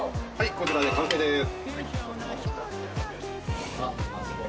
こちらで完成です。